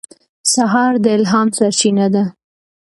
سهار د الهام سرچینه ده.